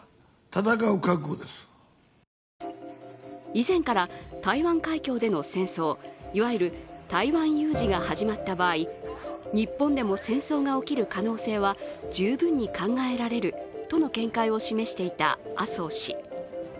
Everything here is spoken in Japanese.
以前から台湾海峡での戦争、いわゆる台湾有事が始まった場合日本でも戦争が起きる可能性は十分に考えられるとの見解を示していた麻生氏。